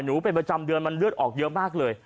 เป็นประจำเดือนมันเลือดออกเยอะมากเลย